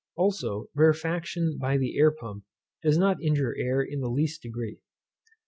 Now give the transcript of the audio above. Also, rarefaction by the air pump does not injure air in the least degree.